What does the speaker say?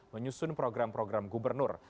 menyusun program program gubernur